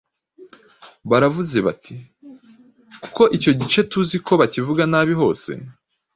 Baravuze bati: ” Kuko icyo gice tuzi ko bakivuga nabi hose